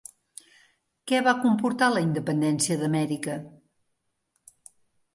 Què va comportar la independència d'Amèrica?